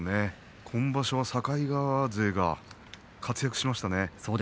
今場所は境川勢が活躍しましたね。